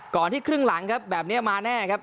ที่ครึ่งหลังครับแบบนี้มาแน่ครับ